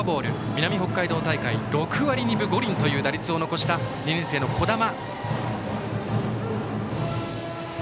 南北海道大会６割２分５厘という打率を残した２年生の樹神。